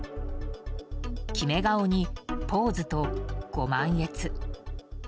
決め顔にポーズと、ご満悦。